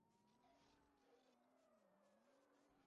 He also was elected Cook County Coroner.